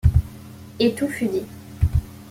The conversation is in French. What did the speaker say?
Et tout fut dit.